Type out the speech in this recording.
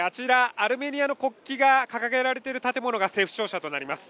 アルメニアの国旗が掲げられている建物が政府庁舎となります。